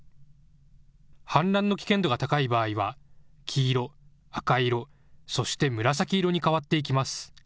氾濫の危険度が高い場合は黄色、赤色、そして紫色に変わっていきます。